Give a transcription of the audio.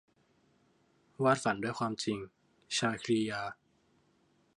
วาดฝันด้วยความจริง - ชาครียา